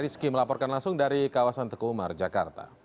ski melaporkan langsung dari kawasan tekumar jakarta